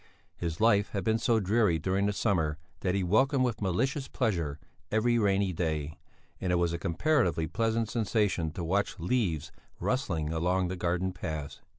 His life had been so dreary during the summer that he welcomed with malicious pleasure every rainy day, and it was a comparatively pleasant sensation to watch leaves rustling along the garden paths.